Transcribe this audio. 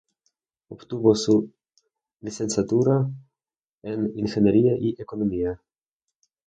Obtuvo su licenciatura en Ingeniería y Economía.